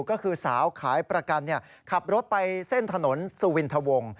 ก็คือสาวขายประกันขับรถไปเส้นถนนสุวินทวง